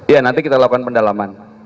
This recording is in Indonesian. ya nanti kita lakukan pendalaman